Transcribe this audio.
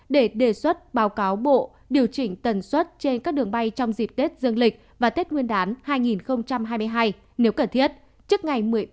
để đề xuất báo cáo bộ điều chỉnh tần suất trên các đường bay trong dịp tết dương lịch và tết nguyên đán